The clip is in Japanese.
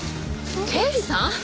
刑事さん？